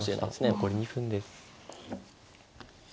残り２分です。